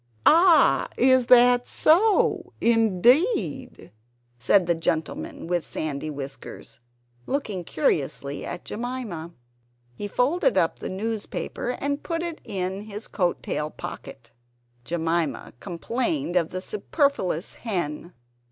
"Ah! is that so? Indeed!" said the gentleman with sandy whiskers, looking curiously at Jemima. He folded up the newspaper and put it in his coattail pocket. Jemima complained of the superfluous hen.